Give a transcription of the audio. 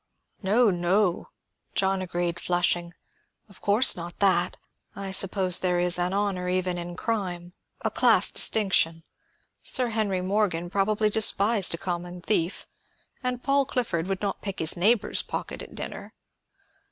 "No, no," John agreed, flushing. "Of course not that. I suppose there is an honor even in crime, a class distinction. Sir Henry Morgan probably despised a common thief, and Paul Clifford would not pick his neighbor's pocket at dinner.